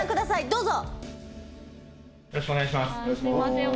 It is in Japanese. どうぞ！